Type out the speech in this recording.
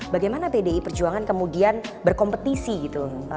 bagaimana pdi perjuangan kemudian berkompetisi gitu